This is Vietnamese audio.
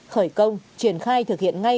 khởi công triển khai thực hiện ngay